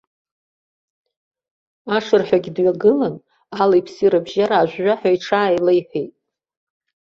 Ашырҳәагь дҩагылан, али-ԥси рыбжьара ажәжәаҳәа иҽааилеиҳәеит.